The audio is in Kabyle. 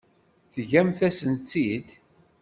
Teǧǧamt-asent-tt-id?